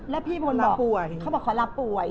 แล้วพี่บนบอกเขาบอกขอลาป่วย